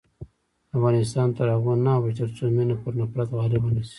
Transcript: افغانستان تر هغو نه ابادیږي، ترڅو مینه پر نفرت غالبه نشي.